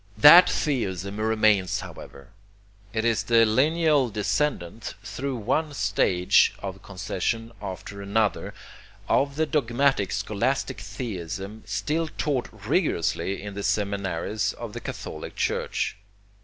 That theism remains, however. It is the lineal descendant, through one stage of concession after another, of the dogmatic scholastic theism still taught rigorously in the seminaries of the catholic church.